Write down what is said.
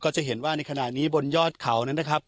จะเห็นว่าในขณะนี้บนยอดเขานั้นนะครับ